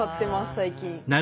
最近。